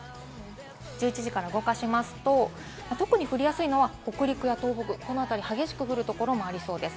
１１時から動かしますと、特に降りやすいのは北陸や東北、この辺り、激しく降るところもありそうです。